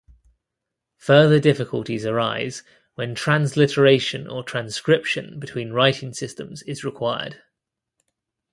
Further difficulties arise when transliteration or transcription between writing systems is required.